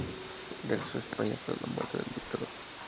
Regresó a España tras la muerte del dictador.